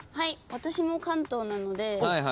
私も関東なので。